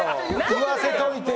言わせといて。